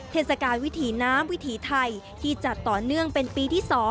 เทศกาลวิถีน้ำวิถีไทยที่จัดต่อเนื่องเป็นปีที่๒